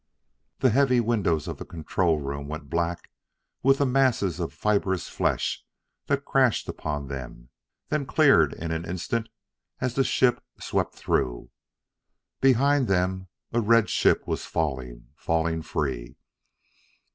The heavy windows of the control room went black with the masses of fibrous flesh that crashed upon them; then cleared in an instant as the ship swept through. Behind them a red ship was falling falling free!